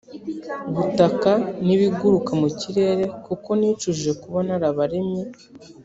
butaka n ibiguruka mu kirere kuko nicujije kuba narabaremye